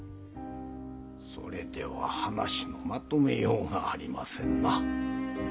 それでは話のまとめようがありませんな。